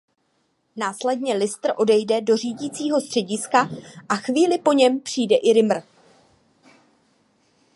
Následně Lister odejde do řídícího střediska a chvíli po něm přijde i Rimmer.